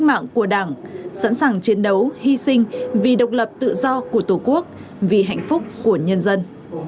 cách mạng của đảng sẵn sàng chiến đấu hy sinh vì độc lập tự do của tổ quốc vì hạnh phúc của nhân dân